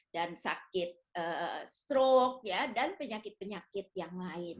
dan sakit stroke dan penyakit penyakit yang lain